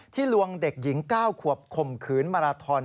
ที่ลวงเด็กหญิง๙ควบคมขื้นมาราทน